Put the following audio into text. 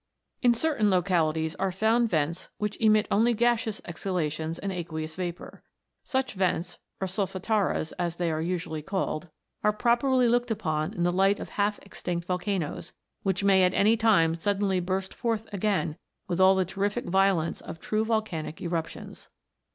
In certain localities are found vents which emit only gaseous exhalations and aqueous vapour. Such vents or solfataras, as they are usually called, are properly looked upon in the light of half extinct volcanoes, which may at any time suddenly burst forth again with all the terrific violence of true vol canic eruptions.